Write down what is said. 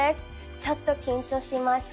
ちょっと緊張しました。